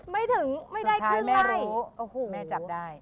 ไม่ถึงไม่ได้คลื่นไล่แม่จับได้สุดท้ายแม่รู้